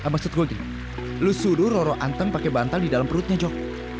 maksud gue gini lu sudu roro anteng pakai bantal di dalam perutnya jok